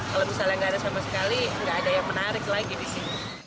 kalau misalnya nggak ada sama sekali nggak ada yang menarik lagi di sini